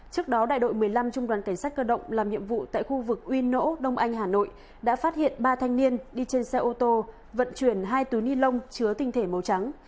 trước đó đại đội một mươi năm trung đoàn cảnh sát cơ động làm nhiệm vụ tại khu vực uy nỗ đông anh hà nội đã phát hiện ba thanh niên đi trên xe ô tô vận chuyển hai túi ni lông chứa tinh thể màu trắng